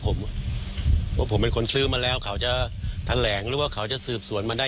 ผมว่าผมเป็นคนซื้อมาแล้วเขาจะแถลงหรือว่าเขาจะสืบสวนมาได้